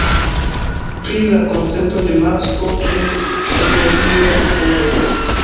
Pri la koncepto de "masko" en psikologio vd.